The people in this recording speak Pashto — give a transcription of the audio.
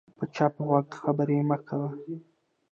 په چپ غوږ خبرې مه کوه